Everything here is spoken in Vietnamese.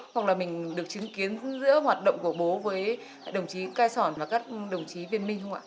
hoặc là mình được chứng kiến giữa hoạt động của bố với đồng chí ca sỏn và các đồng chí viên minh không ạ